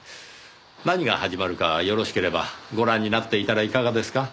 何が始まるかよろしければご覧になっていたらいかがですか？